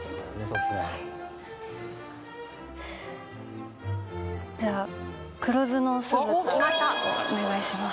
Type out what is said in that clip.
そうですねじゃあ黒酢の酢豚をお願いします